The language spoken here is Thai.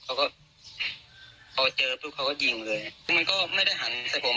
เขาก็พอเจอปุ๊บเขาก็ยิงเลยคือมันก็ไม่ได้หันใส่ผม